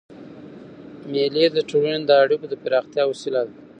مېلې د ټولني د اړیکو د پراختیا وسیله ده.